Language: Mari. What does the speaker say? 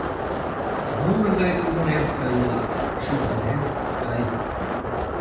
Муро гай кумылем тый улат, шӱмбелем — тый.